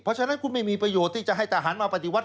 เพราะฉะนั้นคุณไม่มีประโยชน์ที่จะให้ทหารมาปฏิวัติ